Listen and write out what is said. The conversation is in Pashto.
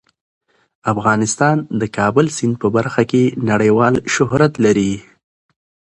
افغانستان د کابل سیند په برخه کې نړیوال شهرت لري.